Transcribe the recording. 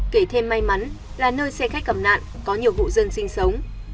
kể thêm may mắn là nơi xe khách cầm nạn có nhiều hộ dân sinh sống